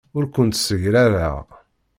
Ur kent-ssegrareɣ.